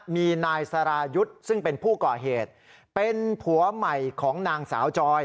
มีนายสรายุทธ์ซึ่งเป็นผู้ก่อเหตุเป็นผัวใหม่ของนางสาวจอย